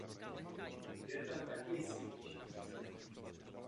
Výzbroj tanku je švýcarského původu.